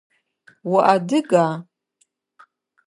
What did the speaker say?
Уадыга?